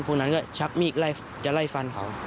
พวกนั้นก็ชักมีดไล่จะไล่ฟันเขา